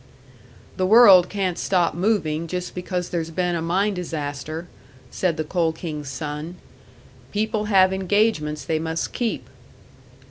"The world can't stop moving just because there's been a mine disaster," said the Coal King's son. "People have engagements they must keep."